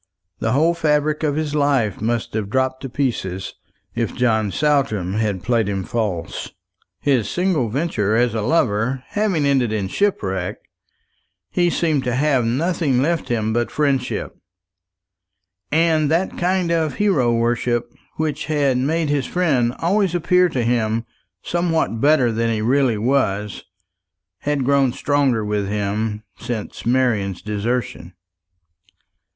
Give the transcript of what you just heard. The whole fabric of his life must have dropped to pieces if John Saltram had played him false. His single venture as a lover having ended in shipwreck, he seemed to have nothing left him but friendship; and that kind of hero worship which had made his friend always appear to him something better than he really was, had grown stronger with him since Marian's desertion.